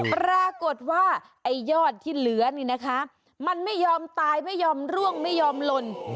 ปรากฏว่าไอ้ยอดที่เหลือนี่นะคะมันไม่ยอมตายไม่ยอมร่วงไม่ยอมหล่น